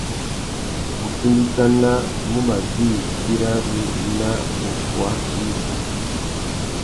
Mutindikana mù mà djï güirari nà uffuá nà issutu.